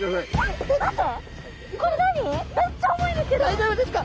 大丈夫ですか？